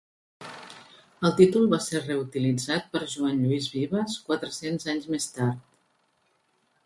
El títol va ser reutilitzat per Joan Lluís Vives quatre-cents anys més tard.